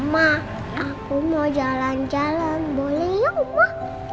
ma aku mau jalan jalan boleh ya ma